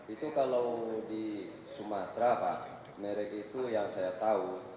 itu kalau di sumatera pak merek itu yang saya tahu